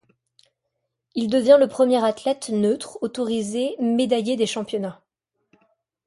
Il devient le premier athlète neutre autorisé médaillé des championnats.